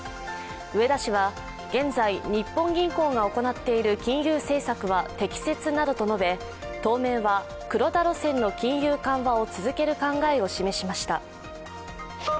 植田氏は、現在日本銀行が行っている金融政策は適切などと述べ当面は黒田路線の金融緩和を続ける考えを示しました。